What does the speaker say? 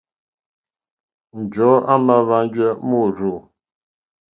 Njɔ̀ɔ́ àmà hwánjá môrzô.